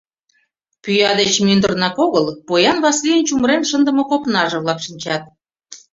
Пӱя деч мӱндырнак огыл поян Васлийын чумырен шындыме копнаже-влак шинчат.